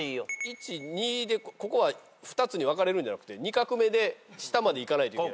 １２でここは２つに分かれるんじゃなくて２画目で下までいかないといけない。